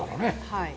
はい。